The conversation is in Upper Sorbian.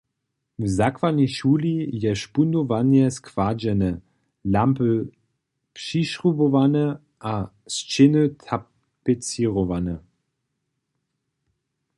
W zakładnej šuli je špundowanje składźene, lampy přišrubowane a sćěny tapecěrowane.